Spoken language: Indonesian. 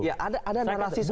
ya ada narasi seperti itu